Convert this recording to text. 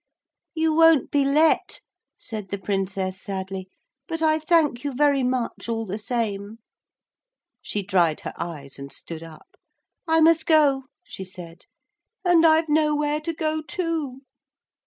'You won't be let,' said the Princess sadly, 'but I thank you very much all the same.' She dried her eyes and stood up. 'I must go,' she said, 'and I've nowhere to go to.'